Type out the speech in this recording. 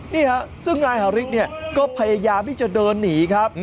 นี่ค่ะซึ่งนายฮาริสเนี่ยก็พยายามที่จะเดินหนีครับ